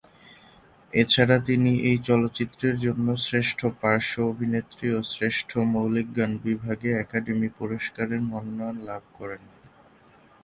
এছাড়া তিনি এই চলচ্চিত্রের জন্য শ্রেষ্ঠ পার্শ্ব অভিনেত্রী ও শ্রেষ্ঠ মৌলিক গান বিভাগে একাডেমি পুরস্কারের মনোনয়ন লাভ করেন।